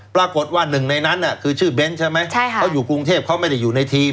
ปรากฏว่าหนึ่งในนั้นคือชื่อเบ้นใช่ไหมใช่ค่ะเขาอยู่กรุงเทพเขาไม่ได้อยู่ในทีม